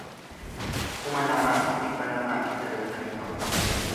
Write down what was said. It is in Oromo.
kuma lamaa fi dhibba lamaa fi sagaltamii torba